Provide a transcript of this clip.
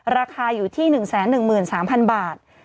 ราคาอยู่ที่๑๑๓๐๐๐บาท